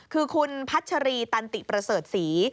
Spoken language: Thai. คือคุณพัชรีตันติประเสริฐศรี